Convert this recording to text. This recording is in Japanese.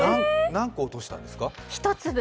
何個落としたんですか。